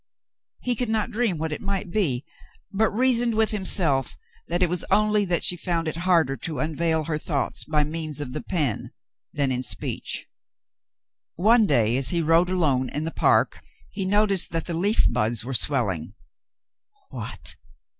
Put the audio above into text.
He could not dream what it might be, but reasoned with himself that it was only that she found it harder to unveil her thoughts by means of the pen than in speech. One day, as he rode alone in the park, he noticed that the leaf buds were swelling. What